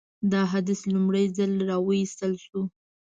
دا حدیث لومړی ځل راوایستل شو.